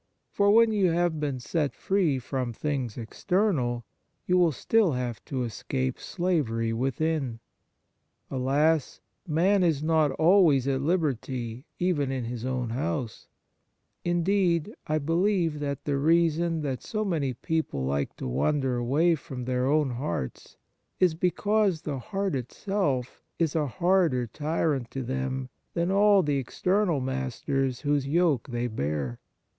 For when you have been set free from things external, you will still have to escape slavery within. Alas ! man is not always at liberty even in his own house ; indeed, I believe that the reason that so many people like to wander away from their own hearts is because the heart itself is a harder tyrant to them than all the external masters whose yoke they bear.